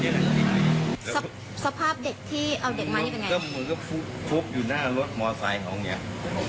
ก็เหมือนกับฟุ๊บอยู่หน้ารถมอเตอร์ไซด์ของเนี่ย